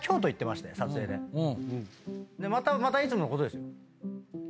またいつものことですよ。